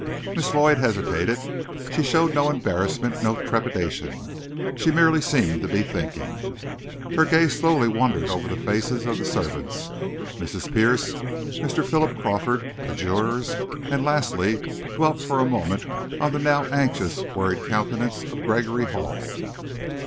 Miss Lloyd hesitated. She showed no embarrassment, no trepidation; she merely seemed to be thinking. Her gaze slowly wandered over the faces of the servants, Mrs. Pierce, Mr. Philip Crawford, the jurors, and, lastly, dwelt for a moment on the now anxious, worried countenance of Gregory Hall.